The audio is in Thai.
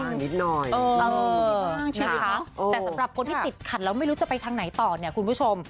ใช่ไหมคะแต่สำหรับคนที่ติดขัดแล้วไม่รู้จะไปทางไหนต่อเนี่ยคุณผู้ชม